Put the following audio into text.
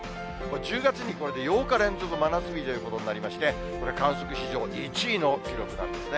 １０月にこれで８日連続真夏日ということになりまして、これ、観測史上１位の記録なんですね。